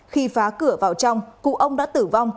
khi phá cửa vào trong cụ ông đã tử vong